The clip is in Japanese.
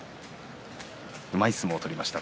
うまい相撲を見せました